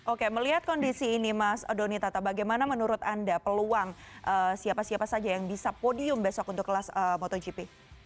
oke melihat kondisi ini mas doni tata bagaimana menurut anda peluang siapa siapa saja yang bisa podium besok untuk kelas motogp